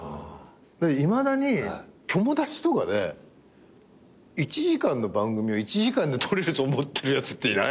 いまだに友達とかで１時間の番組を１時間で撮れると思ってるやつっていない？